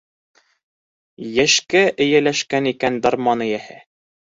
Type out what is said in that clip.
Йәшкә эйәләшкән икән дарман эйәһе.